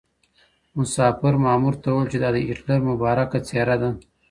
مسافر مامور ته وويل چې دا د هېټلر مبارکه څېره ده.